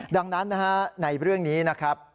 ดังนั้นนะฮะในเรื่องนี้นะครับ